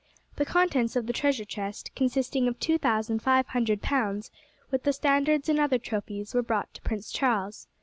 The contents of the treasure chest, consisting of two thousand five hundred pounds, with the standards and other trophies, were brought to Prince Charles.